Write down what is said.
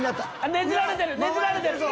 ねじられてるぞ！